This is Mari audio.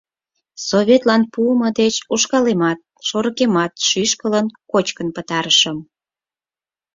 — Советлан пуымо деч ушкалемат, шорыкемат шӱшкылын, кочкын пытарышым.